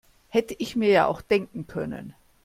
Hätte ich mir ja auch denken können.